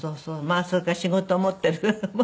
まあそれから仕事を持ってる。